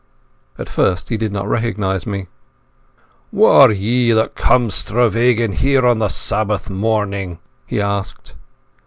At first he did not recognize me. "Whae are ye that comes stravaigin' here on the Sabbath mornin'?" he asked.